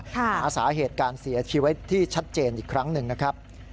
หาสาเหตุการเสียชีวิตที่ชัดเจนอีกครั้งหนึ่งนะครับ